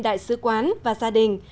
đại sứ quán và gia đình